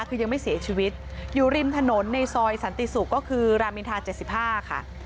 คือยังไม่เสียชีวิตอยู่ริมถนนในซอยสันติศุกร์ก็คือรามินทา๗๕ค่ะ